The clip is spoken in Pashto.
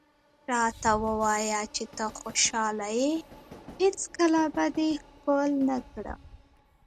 راته ووایه چې ته خوشحاله یې، هېڅکله به دې ښکل نه کړم.